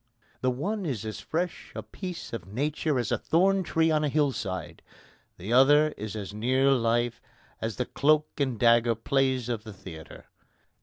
The one is as fresh a piece of nature as a thorn tree on a hill side; the other is as near life as the cloak and dagger plays of the theatre.